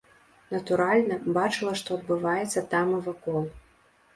Натуральна, бачыла, што адбываецца там і вакол.